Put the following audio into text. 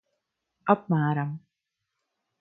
Apmēram.